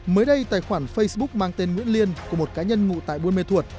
mới đây tài khoản facebook mang tên nguyễn liên của một cá nhân ngụ tại buôn mê thuột